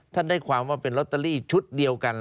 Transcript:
ได้ความว่าเป็นลอตเตอรี่ชุดเดียวกัน